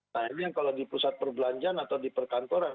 nah ini yang kalau di pusat perbelanjaan atau di perkantoran